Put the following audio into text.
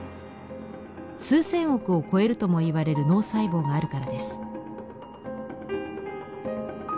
数千億を超えるともいわれる脳細胞があるからです。